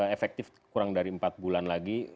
efektif kurang dari empat bulan lagi